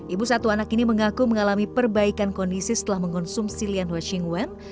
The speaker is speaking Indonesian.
ibu satu anak ini mengaku mengalami perbaikan kondisi setelah mengonsumsi lian hua qingwen